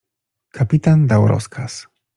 Kapitan dał rozkaz.